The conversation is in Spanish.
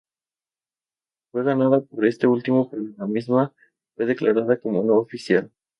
Fue ganada por este último, pero la misma fue declarada como no oficial.